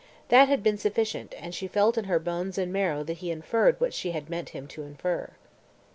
That had been sufficient, and she felt in her bones and marrow that he inferred what she had meant him to infer.